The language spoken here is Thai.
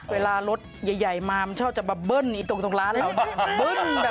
เวลารถใหญ่มามันชอบจะมาเบิ้ลตรงร้านเราเนี่ย